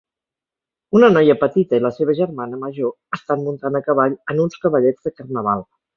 Una noia petita i la seva germana major estan muntant a cavall en uns cavallets de carnaval.